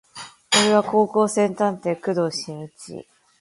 俺は高校生探偵工藤新一